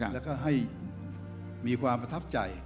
แล้วก็ให้มีความประทับใจ